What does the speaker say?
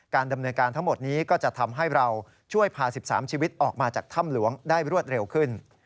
ดำเนินการทั้งหมดนี้ก็จะทำให้เราช่วยพา๑๓ชีวิตออกมาจากถ้ำหลวงได้รวดเร็วขึ้น